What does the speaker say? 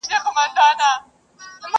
چي اوږدې غاړي لري هغه حلال که؛